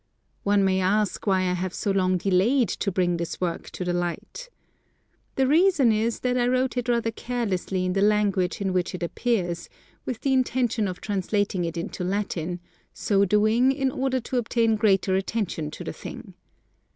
One may ask why I have so long delayed to bring this work to the light. The reason is that I wrote it rather carelessly in the Language in which it appears, with the intention of translating it into Latin, so doing in order to obtain greater attention to the thing.